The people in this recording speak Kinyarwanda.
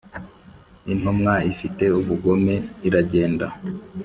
intumwa ifite ubugome iragenda